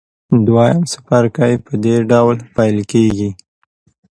دویم څپرکی په دې ډول پیل کیږي.